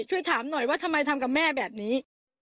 ช่วยถามหน่อยว่าทำไมทำกับแม่แบบนี้